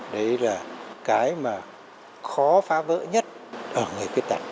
đấy là cái mà khó phá vỡ nhất ở người khuyết tật